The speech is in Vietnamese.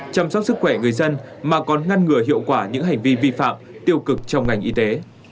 chăm sóc sức khỏe người dân mà còn ngăn ngừa hiệu quả những hành vi vi phạm tiêu cực trong ngành y tế